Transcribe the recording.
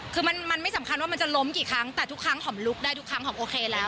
คือมันไม่สำคัญว่ามันจะล้มกี่ครั้งแต่ทุกครั้งหอมลุกได้ทุกครั้งหอมโอเคแล้ว